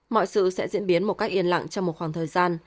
mọi sự sẽ diễn biến một cách yên lặng trong một khoảng thời gian